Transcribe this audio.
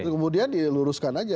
kemudian diluruskan aja